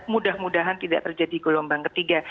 mudah mudahan tidak terjadi gelombang ketiga